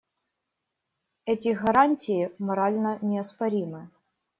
Эти гарантии морально неоспоримы.